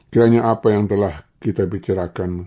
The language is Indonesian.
kiranya apa yang telah kita bicarakan